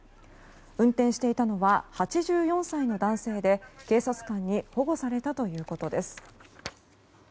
運転していたのは８４歳の男性で警察官に保護されたということです。